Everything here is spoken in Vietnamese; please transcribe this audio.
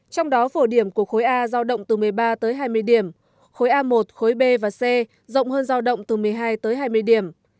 trong đó phổ điểm của khối a giao động từ một mươi ba tới hai mươi điểm khối a một khối b và c rộng hơn giao động từ một mươi hai tới hai mươi điểm